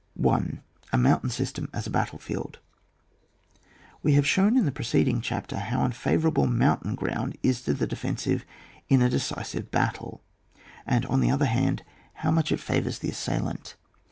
1. A mountain system ca a hattle Jield, We have shown in the preceding chapter how unfavourable mountain ground is to the defensive in a decisive hattUy and, on the other hand, how much it favours the assailant.